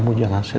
mau diangil mah